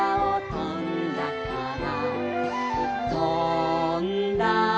「とんだから」